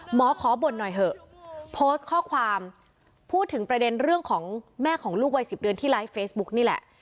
หมอขอบ่นหน่อยเถอะโพสต์ข้อความพูดถึงประเด็นเรื่องของแม่ของลูกวัย๑๐เดือนที่ไลฟ์เฟซบุ๊กนี่แหละ